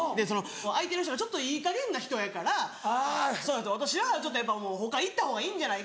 相手の人がちょっといいかげんな人やから私はやっぱもう他いった方がいいんじゃないかって。